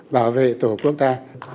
bảo vệ tổ quốc ta